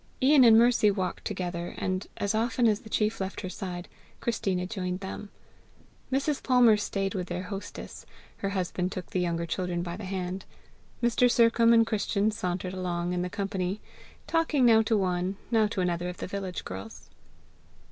Ian and Mercy walked together, and as often as the chief left her side, Christina joined them. Mrs. Palmer stayed with their hostess; her husband took the younger children by the hand; Mr. Sercombe and Christian sauntered along in the company, talking now to one, now to another of the village girls.